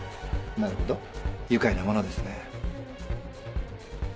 なるほど愉快なものですね。